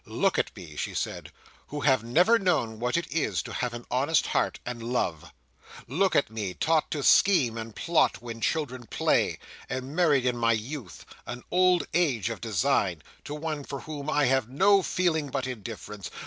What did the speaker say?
"Look at me," she said, "who have never known what it is to have an honest heart, and love. Look at me, taught to scheme and plot when children play; and married in my youth—an old age of design—to one for whom I had no feeling but indifference.